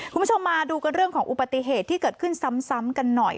คุณผู้ชมมาดูกันเรื่องของอุบัติเหตุที่เกิดขึ้นซ้ำกันหน่อย